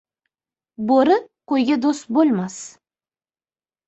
• Bo‘ri qo‘yga do‘st bo‘lmas.